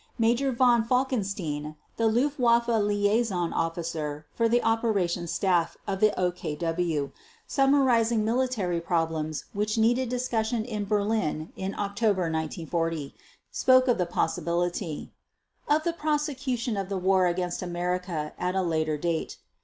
Major Von Falkenstein, the Luftwaffe liaison officer with the Operations Staff of the OKW, summarizing military problems which needed discussion in Berlin in October of 1940, spoke of the possibility "of the prosecution of the war against America at a later date."